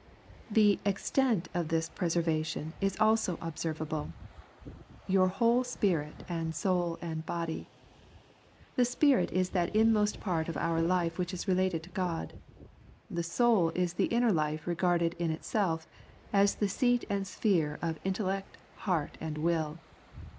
The extent of this preservation is also ob servable —" Your whole spirit and soul and body." The spirit is that inmost part of our life which is related to God. The soul is the inner life regarded in itself, as the seat and sphere of intellect, heart, and will.